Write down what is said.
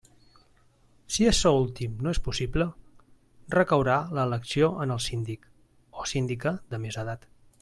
Si açò últim no és possible, recaurà l'elecció en el síndic o síndica de més edat.